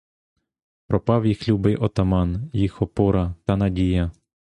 Пропав їх любий отаман, їх опора та надія.